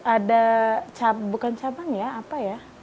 ada bukan cabang ya apa ya